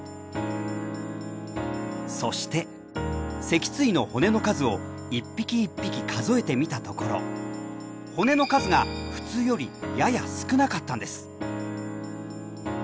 そして脊椎の骨の数を一匹一匹数えてみたところ骨の数が普通よりやや少なかったんです。